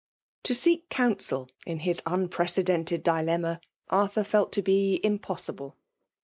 To seek counsel m Us uapracedented idi lemma, Arthur felt to be isipoBsifale.